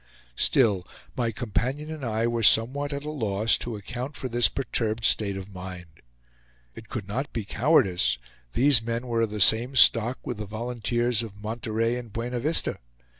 Still my companion and I were somewhat at a loss to account for this perturbed state of mind. It could not be cowardice; these men were of the same stock with the volunteers of Monterey and Buena Vista.